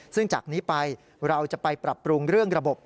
ซึ่งจากนี้ไปเราจะไปปรับปรุงเรื่องระบบ